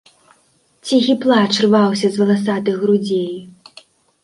Ціхі плач рваўся з валасатых грудзей.